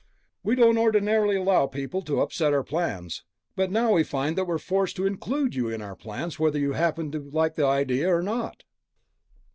"We don't ordinarily allow people to upset our plans, but now we find that we're forced to include you in our plans, whether you happen to like the idea or not."